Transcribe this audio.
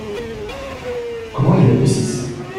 Comment, il y a deux six !